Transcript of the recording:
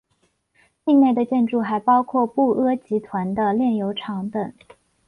境内的建筑还包括布阿集团的炼油厂等。